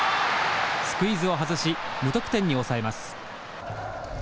スクイズを外し無得点に抑えます。